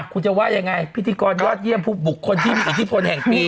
คุณจะว่ายังไงพิธีกรยอดเยี่ยมผู้บุคคลที่มีอิทธิพลแห่งปี